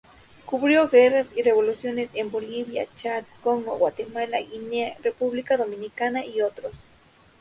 Cubrió guerras y revoluciones en Bolivia, Chad, Congo, Guatemala, Guinea, República Dominicana y otros.